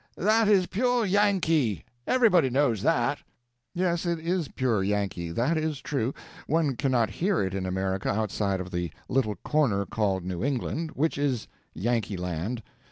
that is pure Yankee; everybody knows that." "Yes, it is pure Yankee; that is true. One cannot hear it in America outside of the little corner called New England, which is Yankee land.